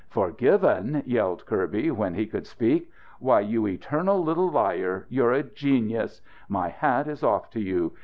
"Forgiven!" yelled Kirby, when he could speak. "Why, you eternal little liar, you're a genius! My hat is off to you!